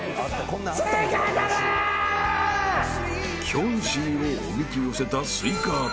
［キョンシーをおびき寄せたスイカ頭］